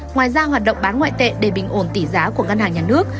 ngoài ra hoạt động bán ngoại tệ để bình ổn tỷ giá của ngân hàng nhà nước